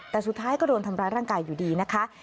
แต่สุดท้ายก็โดนทำร้ายร่างกายอยู่ดีนะคะ